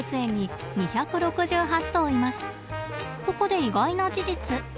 ここで意外な事実。